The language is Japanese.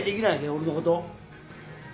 俺のこと。